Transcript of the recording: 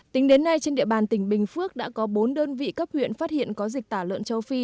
tính đến nay trên địa bàn tỉnh bình phước đã có bốn đơn vị cấp huyện phát hiện có dịch tả lợn châu phi